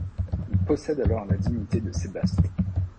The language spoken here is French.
Il possède alors la dignité de sébaste.